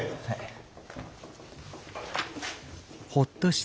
はい。